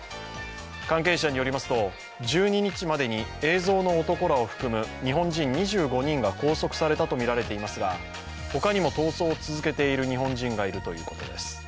関係者によりますと、１２日までの映像の男らを含む日本人２４人が拘束されたとみられていますが、他にも逃走を続けている日本人がいるということです。